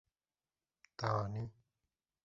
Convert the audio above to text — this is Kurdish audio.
Te anî.